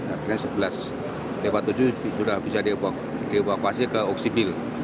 akhirnya sebelas lewat tujuh sudah bisa dioperasi ke oksibil